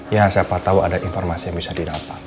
ya siapa tahu ada informasi yang bisa didapat